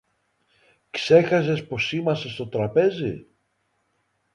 Ξέχασες πως είμαστε στο τραπέζι;